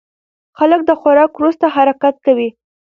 خلک د خوراک وروسته حرکت کوي.